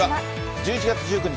１１月１９日